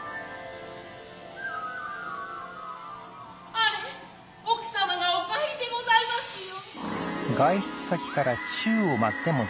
あれ夫人がお帰りでございますよ。